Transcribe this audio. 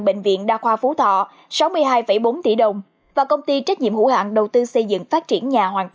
bệnh viện đa khoa phú thọ sáu mươi hai bốn tỷ đồng và công ty trách nhiệm hữu hạng đầu tư xây dựng phát triển nhà hoàn